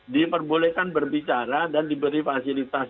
diperbolehkan berbicara dan diberi fasilitas